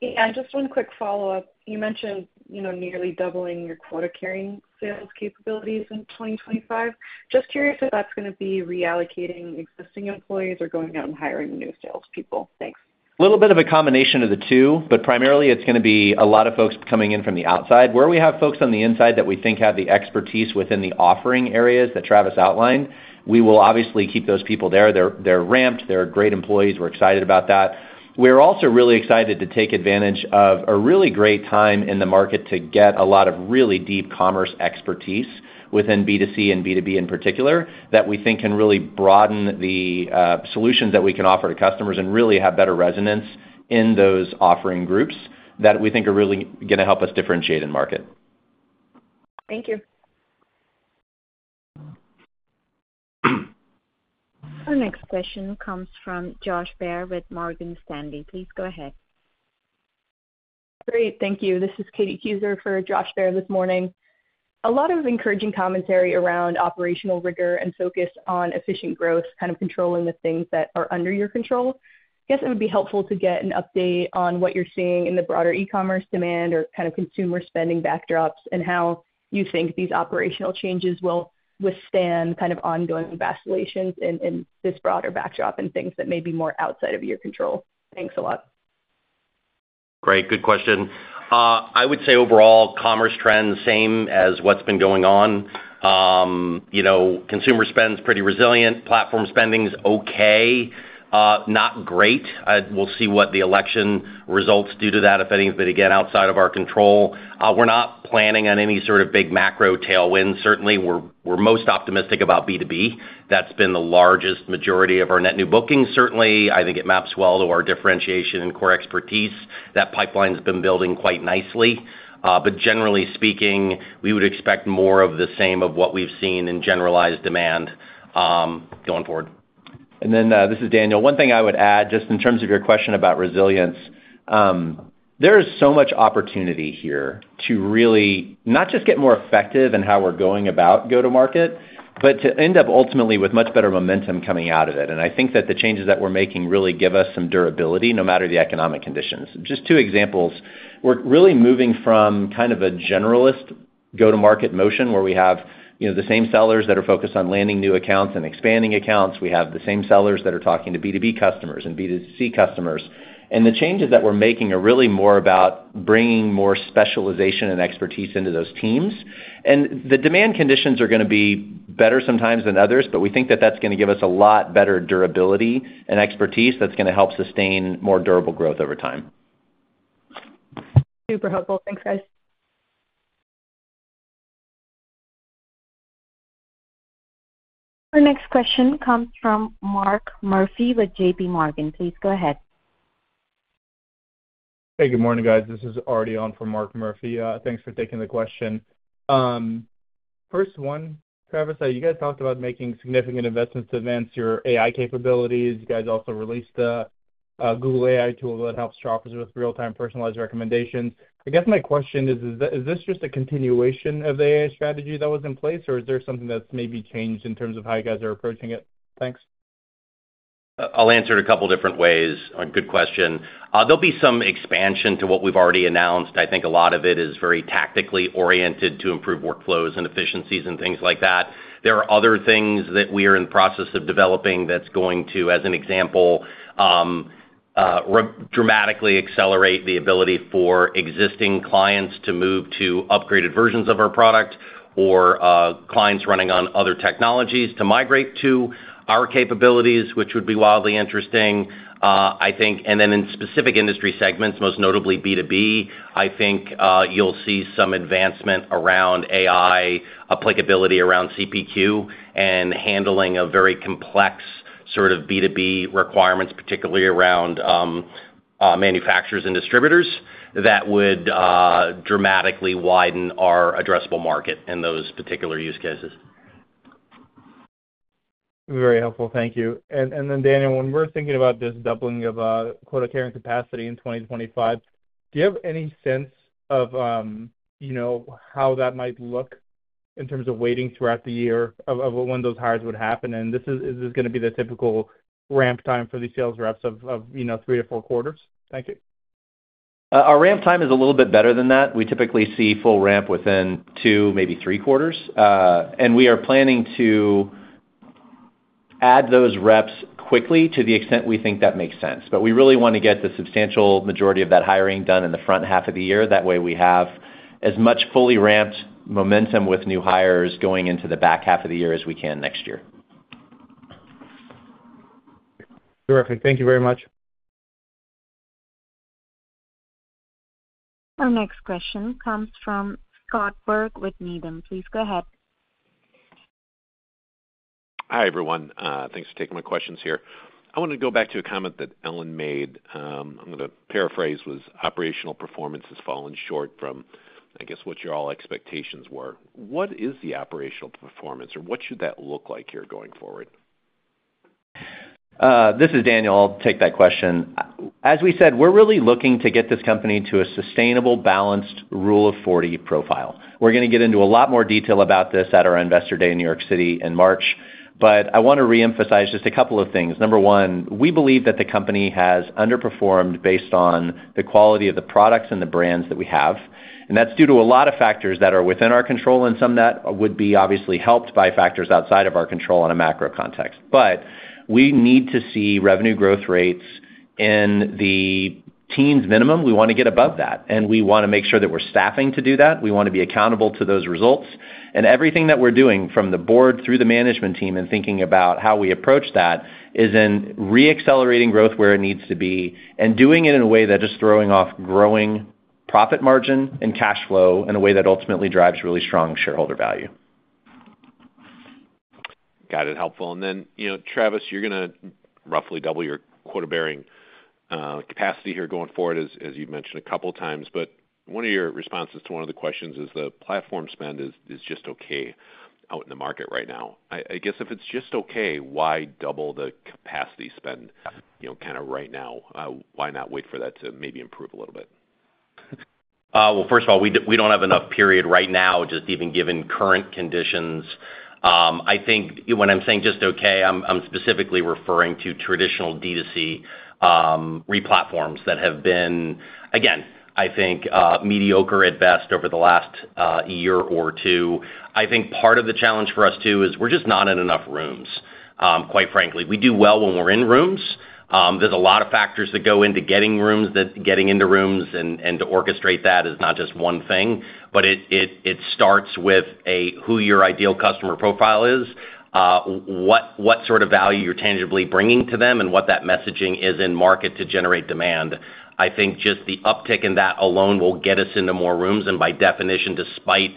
Yeah, just one quick follow-up. You mentioned nearly doubling your quota-carrying sales capabilities in 2025. Just curious if that's going to be reallocating existing employees or going out and hiring new salespeople. Thanks. A little bit of a combination of the two, but primarily, it's going to be a lot of folks coming in from the outside. Where we have folks on the inside that we think have the expertise within the offering areas that Travis outlined, we will obviously keep those people there. They're ramped. They're great employees. We're excited about that. We're also really excited to take advantage of a really great time in the market to get a lot of really deep commerce expertise within B2C and B2B in particular that we think can really broaden the solutions that we can offer to customers and really have better resonance in those offering groups that we think are really going to help us differentiate in market. Thank you. Our next question comes from Josh Baer with Morgan Stanley. Please go ahead. Great. Thank you. This is Katie Keyser for Josh Baer this morning. A lot of encouraging commentary around operational rigor and focus on efficient growth, kind of controlling the things that are under your control. I guess it would be helpful to get an update on what you're seeing in the broader e-commerce demand or kind of consumer spending backdrops and how you think these operational changes will withstand kind of ongoing vacillations in this broader backdrop and things that may be more outside of your control. Thanks a lot. Great. Good question. I would say overall commerce trends, same as what's been going on. Consumer spending's pretty resilient. Platform spending's okay. Not great. We'll see what the election results do to that, if anything, but again, outside of our control. We're not planning on any sort of big macro tailwinds. Certainly, we're most optimistic about B2B. That's been the largest majority of our net new bookings. Certainly, I think it maps well to our differentiation and core expertise. That pipeline's been building quite nicely. But generally speaking, we would expect more of the same of what we've seen in generalized demand going forward. And then this is Daniel. One thing I would add, just in terms of your question about resilience, there is so much opportunity here to really not just get more effective in how we're going about go-to-market, but to end up ultimately with much better momentum coming out of it. And I think that the changes that we're making really give us some durability no matter the economic conditions. Just two examples. We're really moving from kind of a generalist go-to-market motion where we have the same sellers that are focused on landing new accounts and expanding accounts. We have the same sellers that are talking to B2B customers and B2C customers, and the changes that we're making are really more about bringing more specialization and expertise into those teams, and the demand conditions are going to be better sometimes than others, but we think that that's going to give us a lot better durability and expertise that's going to help sustain more durable growth over time. Super helpful. Thanks, guys. Our next question comes from Mark Murphy with JPMorgan. Please go ahead. Hey, good morning, guys. This is Arti from Mark Murphy. Thanks for taking the question. First one, Travis, you guys talked about making significant investments to advance your AI capabilities. You guys also released the Google AI tool that helps shoppers with real-time personalized recommendations. I guess my question is, is this just a continuation of the AI strategy that was in place, or is there something that's maybe changed in terms of how you guys are approaching it? Thanks. I'll answer it a couple of different ways. Good question. There'll be some expansion to what we've already announced. I think a lot of it is very tactically oriented to improve workflows and efficiencies and things like that. There are other things that we are in the process of developing that's going to, as an example, dramatically accelerate the ability for existing clients to move to upgraded versions of our product or clients running on other technologies to migrate to our capabilities, which would be wildly interesting, I think. Then in specific industry segments, most notably B2B, I think you'll see some advancement around AI applicability around CPQ and handling a very complex sort of B2B requirements, particularly around manufacturers and distributors, that would dramatically widen our addressable market in those particular use cases. Very helpful. Thank you. And then, Daniel, when we're thinking about this doubling of quota-carrying capacity in 2025, do you have any sense of how that might look in terms of weighting throughout the year of when those hires would happen? And is this going to be the typical ramp time for the sales reps of three-four quarters? Thank you. Our ramp time is a little bit better than that. We typically see full ramp within two, maybe three quarters. And we are planning to add those reps quickly to the extent we think that makes sense. But we really want to get the substantial majority of that hiring done in the front half of the year. That way, we have as much fully ramped momentum with new hires going into the back half of the year as we can next year. Terrific. Thank you very much. Our next question comes from Scott Berg with Needham. Please go ahead. Hi, everyone. Thanks for taking my questions here. I want to go back to a comment that Ellen made. I'm going to paraphrase: operational performance has fallen short from, I guess, what your all expectations were. What is the operational performance, or what should that look like here going forward? This is Daniel. I'll take that question. As we said, we're really looking to get this company to a sustainable balanced rule of 40 profile. We're going to get into a lot more detail about this at our Investor Day in New York City in March. But I want to reemphasize just a couple of things. Number one, we believe that the company has underperformed based on the quality of the products and the brands that we have. And that's due to a lot of factors that are within our control, and some of that would be obviously helped by factors outside of our control in a macro context. But we need to see revenue growth rates in the teens minimum. We want to get above that. And we want to make sure that we're staffing to do that. We want to be accountable to those results. Everything that we're doing from the board through the management team and thinking about how we approach that is in re-accelerating growth where it needs to be and doing it in a way that is throwing off growing profit margin and cash flow in a way that ultimately drives really strong shareholder value. Got it. Helpful. Then, Travis, you're going to roughly double your quota-bearing capacity here going forward, as you've mentioned a couple of times. One of your responses to one of the questions is the platform spend is just okay out in the market right now. I guess if it's just okay, why double the capacity spend kind of right now? Why not wait for that to maybe improve a little bit? First of all, we don't have enough, period, right now, just even given current conditions. I think when I'm saying just okay, I'm specifically referring to traditional D2C re-platforms that have been, again, I think, mediocre at best over the last year or two. I think part of the challenge for us too is we're just not in enough rooms, quite frankly. We do well when we're in rooms. There's a lot of factors that go into getting into rooms, and to orchestrate that is not just one thing. But it starts with who your ideal customer profile is, what sort of value you're tangibly bringing to them, and what that messaging is in market to generate demand. I think just the uptick in that alone will get us into more rooms. And by definition, despite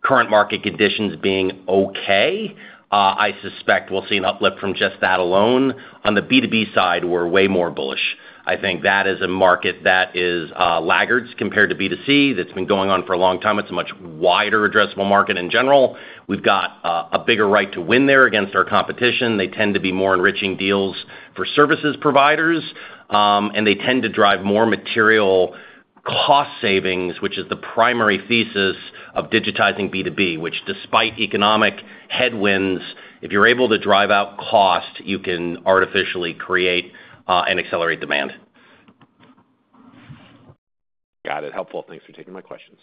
current market conditions being okay, I suspect we'll see an uplift from just that alone. On the B2B side, we're way more bullish. I think that is a market that is lagging compared to B2C that's been going on for a long time. It's a much wider addressable market in general. We've got a bigger right to win there against our competition. They tend to be more enriching deals for service providers, and they tend to drive more material cost savings, which is the primary thesis of digitizing B2B, which, despite economic headwinds, if you're able to drive out cost, you can artificially create and accelerate demand. Got it. Helpful. Thanks for taking my questions.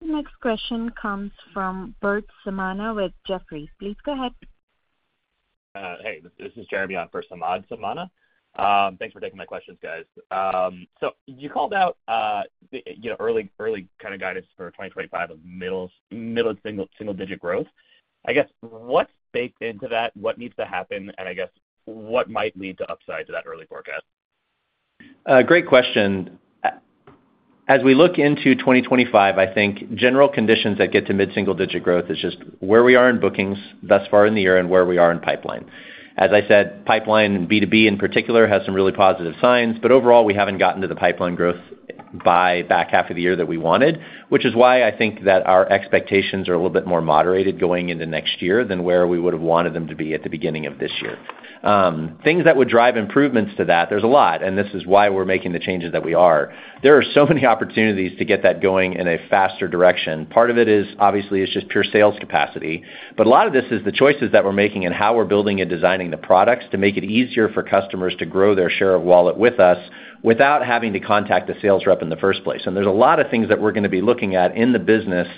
Next question comes from Samad Samana with Jefferies. Please go ahead. Hey, this is Jeremy on for Samad Samana. Thanks for taking my questions, guys. So you called out early kind of guidance for 2025 of middle single-digit growth. I guess what's baked into that? What needs to happen? And I guess what might lead to upside to that early forecast? Great question. As we look into 2025, I think general conditions that get to mid-single-digit growth is just where we are in bookings thus far in the year and where we are in pipeline. As I said, pipeline B2B in particular has some really positive signs. But overall, we haven't gotten to the pipeline growth by back half of the year that we wanted, which is why I think that our expectations are a little bit more moderated going into next year than where we would have wanted them to be at the beginning of this year. Things that would drive improvements to that, there's a lot, and this is why we're making the changes that we are. There are so many opportunities to get that going in a faster direction. Part of it is, obviously, it's just pure sales capacity. But a lot of this is the choices that we're making and how we're building and designing the products to make it easier for customers to grow their share of wallet with us without having to contact a sales rep in the first place. And there's a lot of things that we're going to be looking at in the business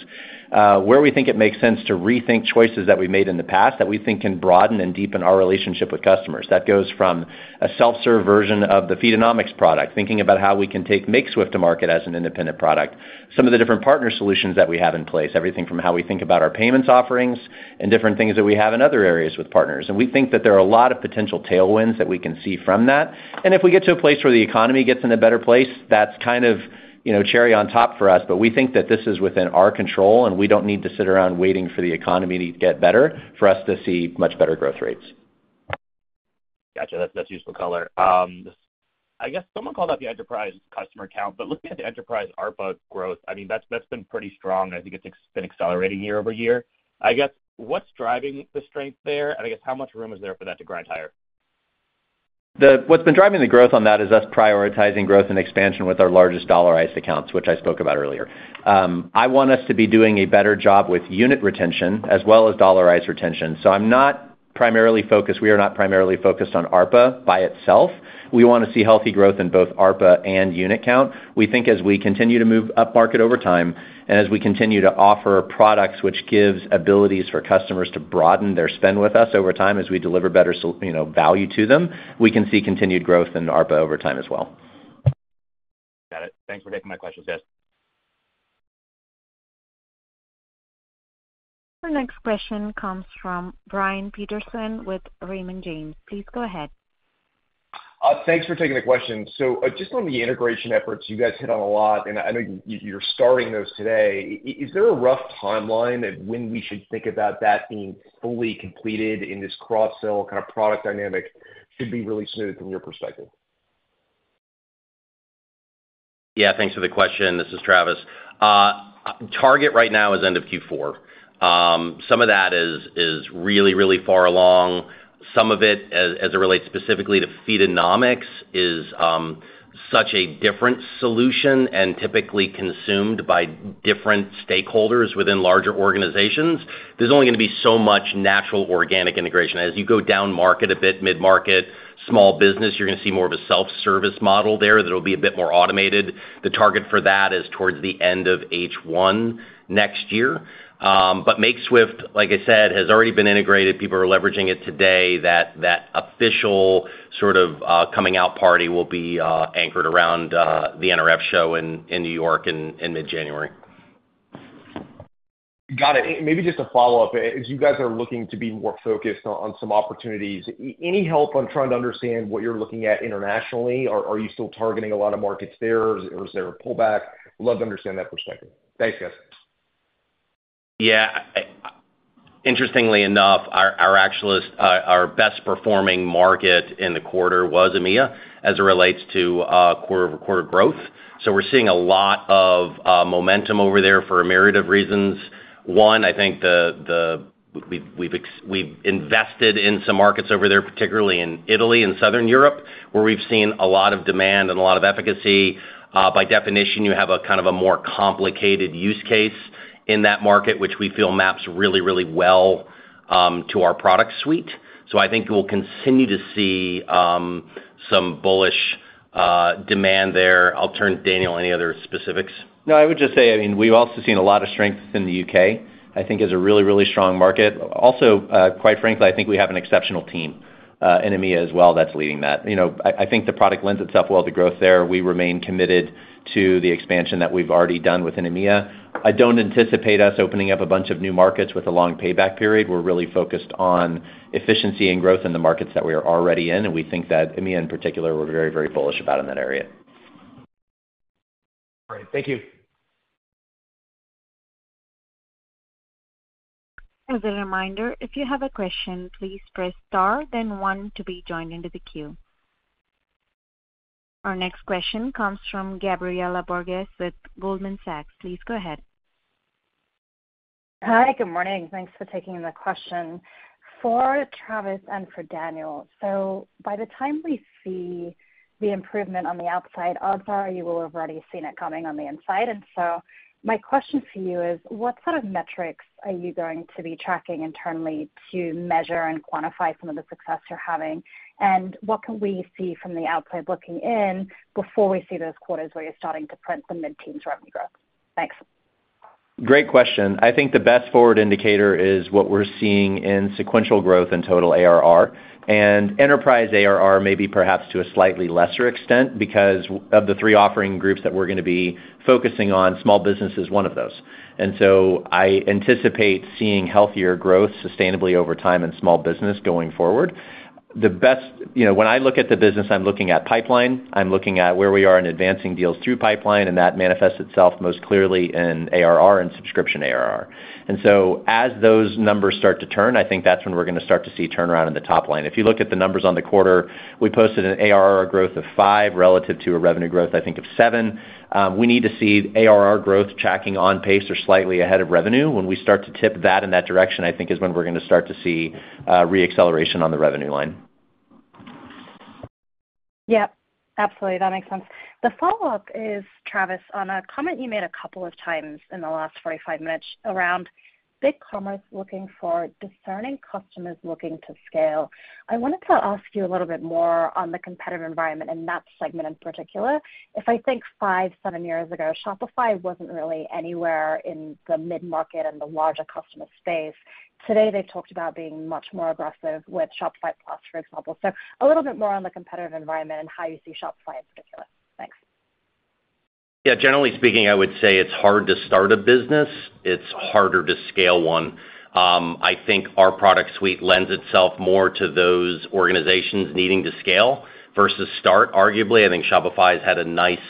where we think it makes sense to rethink choices that we've made in the past that we think can broaden and deepen our relationship with customers. That goes from a self-serve version of the Feedonomics product, thinking about how we can take Makeswift to market as an independent product, some of the different partner solutions that we have in place, everything from how we think about our payments offerings and different things that we have in other areas with partners. And we think that there are a lot of potential tailwinds that we can see from that. And if we get to a place where the economy gets in a better place, that's kind of cherry on top for us. But we think that this is within our control, and we don't need to sit around waiting for the economy to get better for us to see much better growth rates. Gotcha. That's useful color. I guess someone called out the enterprise customer account. But looking at the enterprise ARPA growth, I mean, that's been pretty strong. I think it's been accelerating year-over-year. I guess what's driving the strength there? And I guess how much room is there for that to grind higher? What's been driving the growth on that is us prioritizing growth and expansion with our largest dollarized accounts, which I spoke about earlier. I want us to be doing a better job with unit retention as well as dollarized retention. So I'm not primarily focused. We are not primarily focused on ARPA by itself. We want to see healthy growth in both ARPA and unit count. We think as we continue to move up market over time and as we continue to offer products which give abilities for customers to broaden their spend with us over time as we deliver better value to them, we can see continued growth in ARPA over time as well. Got it. Thanks for taking my questions, guys. Our next question comes from Brian Peterson with Raymond James. Please go ahead. Thanks for taking the question. So just on the integration efforts, you guys hit on a lot, and I know you're starting those today. Is there a rough timeline of when we should think about that being fully completed in this cross-sell kind of product dynamic should be really smooth from your perspective? Yeah. Thanks for the question. This is Travis. Target right now is end of Q4. Some of that is really, really far along. Some of it, as it relates specifically to Feedonomics, is such a different solution and typically consumed by different stakeholders within larger organizations. There's only going to be so much natural organic integration. As you go down market a bit, mid-market, small business, you're going to see more of a self-service model there that will be a bit more automated. The target for that is towards the end of H1 next year. But Makeswift, like I said, has already been integrated. People are leveraging it today. That official sort of coming out party will be anchored around the NRF show in New York in mid-January. Got it. Maybe just a follow-up. As you guys are looking to be more focused on some opportunities, any help on trying to understand what you're looking at internationally? Are you still targeting a lot of markets there? Is there a pullback? Love to understand that perspective. Thanks, guys. Yeah. Interestingly enough, our best-performing market in the quarter was EMEA as it relates to quarter-over-quarter growth. So we're seeing a lot of momentum over there for a myriad of reasons. One, I think we've invested in some markets over there, particularly in Italy and Southern Europe, where we've seen a lot of demand and a lot of efficacy. By definition, you have a kind of a more complicated use case in that market, which we feel maps really, really well to our product suite. So I think we'll continue to see some bullish demand there. I'll turn to Daniel. Any other specifics? No, I would just say, I mean, we've also seen a lot of strength within the U.K., I think, as a really, really strong market. Also, quite frankly, I think we have an exceptional team in EMEA as well that's leading that. I think the product lends itself well to growth there. We remain committed to the expansion that we've already done within EMEA. I don't anticipate us opening up a bunch of new markets with a long payback period. We're really focused on efficiency and growth in the markets that we are already in. And we think that EMEA, in particular, we're very, very bullish about in that area. All right. Thank you. As a reminder, if you have a question, please press star, then one to be joined into the queue. Our next question comes from Gabriela Borges with Goldman Sachs. Please go ahead. Hi. Good morning. Thanks for taking the question. For Travis and for Daniel, so by the time we see the improvement on the outside, odds are you will have already seen it coming on the inside. And so my question for you is, what sort of metrics are you going to be tracking internally to measure and quantify some of the success you're having? And what can we see from the outside looking in before we see those quarters where you're starting to print the mid-teens revenue growth? Thanks. Great question. I think the best forward indicator is what we're seeing in sequential growth and total ARR. And enterprise ARR may be perhaps to a slightly lesser extent because of the three offering groups that we're going to be focusing on. Small business is one of those. And so I anticipate seeing healthier growth sustainably over time in small business going forward. The best when I look at the business, I'm looking at pipeline. I'm looking at where we are in advancing deals through pipeline, and that manifests itself most clearly in ARR and subscription ARR. And so as those numbers start to turn, I think that's when we're going to start to see turnaround in the top line. If you look at the numbers on the quarter, we posted an ARR growth of 5% relative to a revenue growth, I think, of 7%. We need to see ARR growth tracking on pace or slightly ahead of revenue. When we start to tip that in that direction, I think is when we're going to start to see re-acceleration on the revenue line. Yep. Absolutely. That makes sense. The follow-up is, Travis, on a comment you made a couple of times in the last 45 minutes around BigCommerce looking for discerning customers looking to scale. I wanted to ask you a little bit more on the competitive environment in that segment in particular. If I think five, seven years ago, Shopify wasn't really anywhere in the mid-market and the larger customer space. Today, they've talked about being much more aggressive with Shopify Plus, for example. So a little bit more on the competitive environment and how you see Shopify in particular. Thanks. Yeah. Generally speaking, I would say it's hard to start a business. It's harder to scale one. I think our product suite lends itself more to those organizations needing to scale versus start, arguably. I think Shopify has had a nice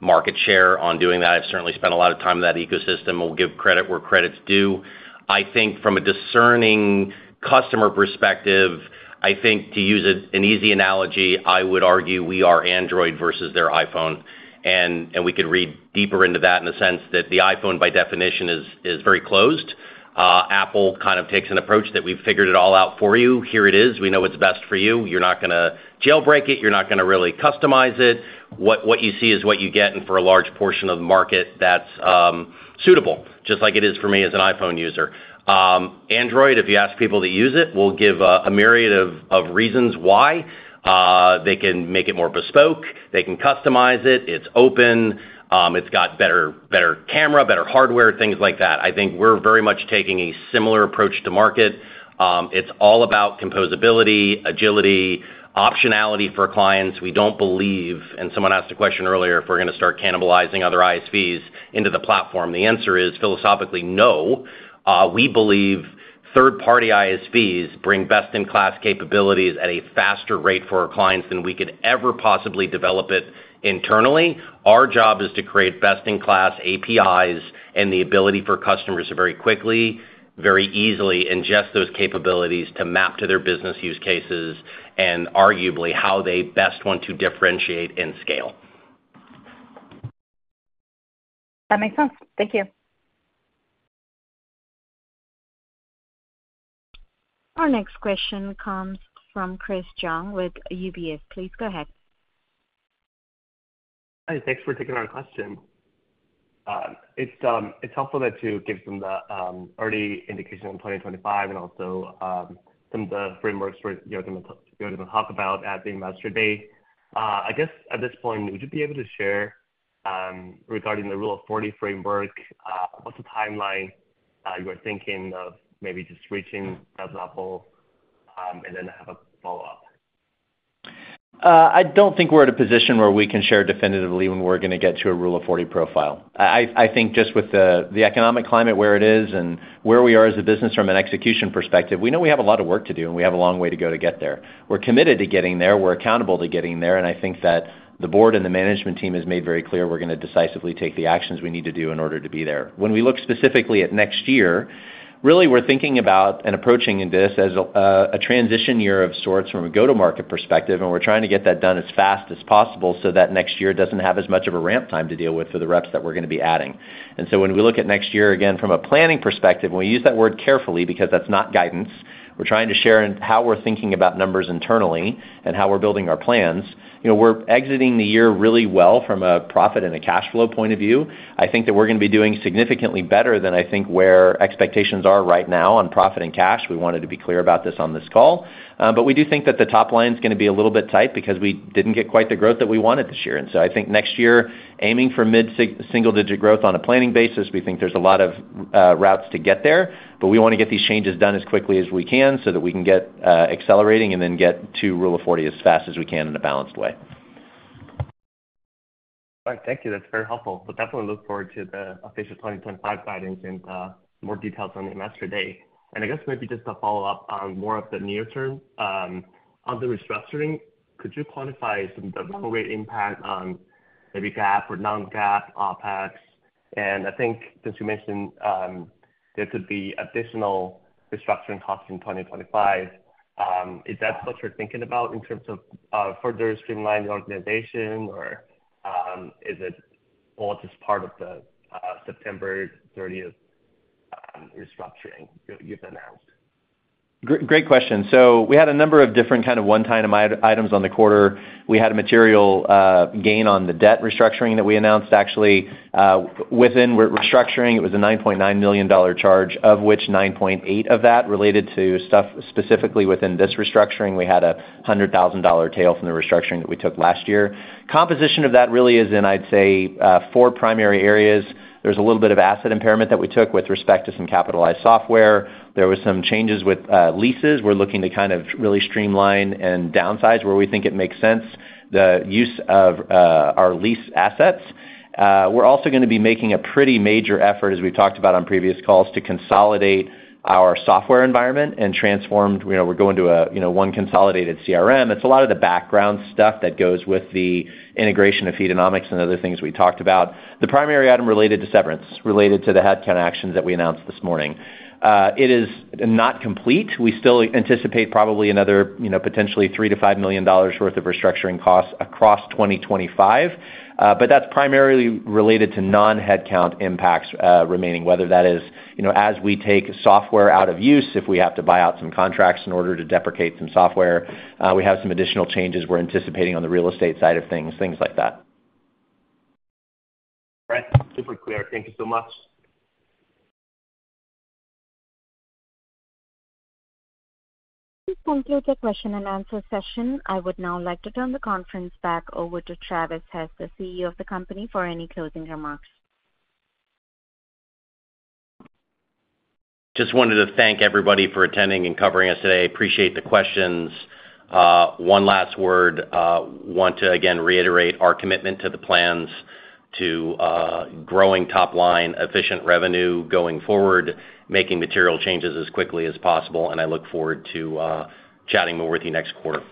market share on doing that. I've certainly spent a lot of time in that ecosystem. We'll give credit where credit's due. I think from a discerning customer perspective, I think to use an easy analogy, I would argue we are Android versus their iPhone, and we could read deeper into that in the sense that the iPhone, by definition, is very closed. Apple kind of takes an approach that we've figured it all out for you. Here it is. We know what's best for you. You're not going to jailbreak it. You're not going to really customize it. What you see is what you get. For a large portion of the market, that's suitable, just like it is for me as an iPhone user. Android, if you ask people to use it, we'll give a myriad of reasons why. They can make it more bespoke. They can customize it. It's open. It's got better camera, better hardware, things like that. I think we're very much taking a similar approach to market. It's all about composability, agility, optionality for clients. We don't believe, and someone asked a question earlier if we're going to start cannibalizing other ISVs into the platform. The answer is, philosophically, no. We believe third-party ISVs bring best-in-class capabilities at a faster rate for our clients than we could ever possibly develop it internally. Our job is to create best-in-class APIs and the ability for customers to very quickly, very easily ingest those capabilities to map to their business use cases and arguably how they best want to differentiate and scale. That makes sense. Thank you. Our next question comes from Chris Zhang with UBS. Please go ahead. Hi. Thanks for taking our question. It's helpful to give some of the early indications on 2025 and also some of the frameworks we're going to talk about at the investor day. I guess at this point, would you be able to share regarding the Rule of 40 framework? What's the timeline you are thinking of maybe just reaching that level and then have a follow-up? I don't think we're at a position where we can share definitively when we're going to get to a Rule of 40 profile. I think just with the economic climate where it is and where we are as a business from an execution perspective, we know we have a lot of work to do, and we have a long way to go to get there. We're committed to getting there. We're accountable to getting there, and I think that the board and the management team has made very clear we're going to decisively take the actions we need to do in order to be there. When we look specifically at next year, really, we're thinking about and approaching this as a transition year of sorts from a go-to-market perspective, and we're trying to get that done as fast as possible so that next year doesn't have as much of a ramp time to deal with for the reps that we're going to be adding. And so when we look at next year, again, from a planning perspective, and we use that word carefully because that's not guidance. We're trying to share in how we're thinking about numbers internally and how we're building our plans. We're exiting the year really well from a profit and a cash flow point of view. I think that we're going to be doing significantly better than I think where expectations are right now on profit and cash. We wanted to be clear about this on this call. But we do think that the top line's going to be a little bit tight because we didn't get quite the growth that we wanted this year. And so I think next year, aiming for mid-single-digit growth on a planning basis, we think there's a lot of routes to get there. But we want to get these changes done as quickly as we can so that we can get accelerating and then get to Rule of 40 as fast as we can in a balanced way. All right. Thank you. That's very helpful. We'll definitely look forward to the official 2025 guidance and more details on the Investor Day. And I guess maybe just a follow-up on more of the near-term. On the restructuring, could you quantify some of the real rate impact on maybe GAAP or non-GAAP OpEx? And I think since you mentioned there could be additional restructuring costs in 2025, is that what you're thinking about in terms of further streamlining the organization, or is it all just part of the September 30th restructuring you've announced? Great question. So we had a number of different kind of one-time items on the quarter. We had a material gain on the debt restructuring that we announced, actually. Within restructuring, it was a $9.9 million charge, of which $9.8 of that related to stuff specifically within this restructuring. We had a $100,000 tail from the restructuring that we took last year. Composition of that really is in, I'd say, four primary areas. There's a little bit of asset impairment that we took with respect to some capitalized software. There were some changes with leases. We're looking to kind of really streamline and downsize where we think it makes sense, the use of our lease assets. We're also going to be making a pretty major effort, as we've talked about on previous calls, to consolidate our software environment and transform. We're going to one consolidated CRM. It's a lot of the background stuff that goes with the integration of Feedonomics and other things we talked about. The primary item related to severance, related to the headcount actions that we announced this morning. It is not complete. We still anticipate probably another potentially $3 million-$5 million worth of restructuring costs across 2025. But that's primarily related to non-headcount impacts remaining, whether that is as we take software out of use, if we have to buy out some contracts in order to deprecate some software. We have some additional changes we're anticipating on the real estate side of things, things like that. All right. Super clear. Thank you so much. This concludes the question and answer session. I would now like to turn the conference back over to Travis Hess, the CEO of the company, for any closing remarks. Just wanted to thank everybody for attending and covering us today. Appreciate the questions. One last word. Want to, again, reiterate our commitment to the plans to growing top line, efficient revenue going forward, making material changes as quickly as possible, and I look forward to chatting more with you next quarter.